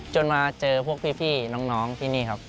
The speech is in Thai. มาเจอพวกพี่น้องที่นี่ครับ